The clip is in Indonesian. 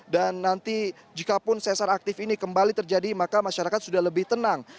dan nanti jikapun cesar aktif ini kembali terjadi maka masyarakat sudah lebih tenang